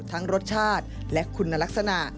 รสชาติและคุณลักษณะ